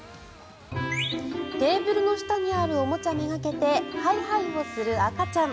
テーブルの下にあるおもちゃめがけてハイハイをする赤ちゃん。